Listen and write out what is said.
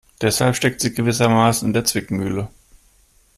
Deshalb steckt sie gewissermaßen in der Zwickmühle.